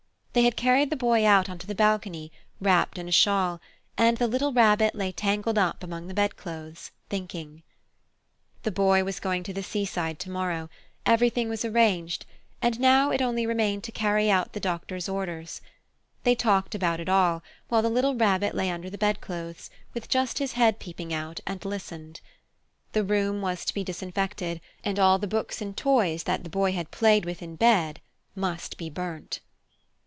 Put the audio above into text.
They had carried the Boy out on to the balcony, wrapped in a shawl, and the little Rabbit lay tangled up among the bedclothes, thinking. The Boy was going to the seaside to morrow. Everything was arranged, and now it only remained to carry out the doctor's orders. They talked about it all, while the little Rabbit lay under the bedclothes, with just his head peeping out, and listened. The room was to be disinfected, and all the books and toys that the Boy had played with in bed must be burnt.